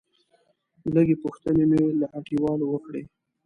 لږې پوښتنې مې له هټيوالو وکړې.